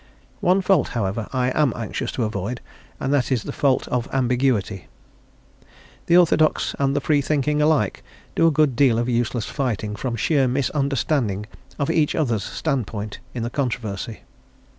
One fault, however, I am anxious to avoid, and that is the fault of ambiguity. The orthodox and the free thinking alike do a good deal of useless fighting from sheer misunderstanding of each other's standpoint in the controversy.